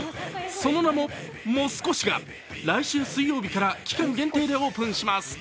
その名も、モス越が来週水曜日から期間限定でオープンします。